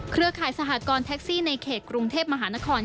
เครือข่ายสหกรณ์แท็กซี่ในเขตกรุงเทพมหานคร